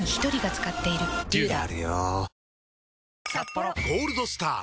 ハロー「ゴールドスター」！